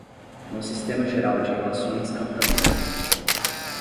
no sistema geral de relações capitalistas